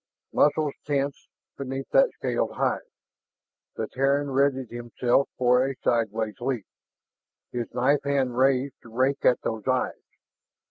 Muscles tensed beneath that scaled hide. The Terran readied himself for a sidewise leap, his knife hand raised to rake at those eyes.